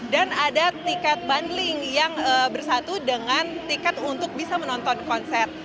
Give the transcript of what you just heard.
dan ada tiket bundling yang bersatu dengan tiket untuk bisa menonton konser